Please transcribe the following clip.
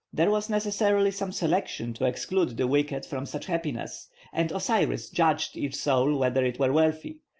There was necessarily some selection to exclude the wicked from such happiness, and Osiris judged each soul whether it were worthy.